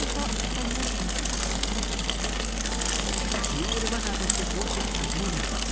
シングルマザーとして過ごしてきた１０年。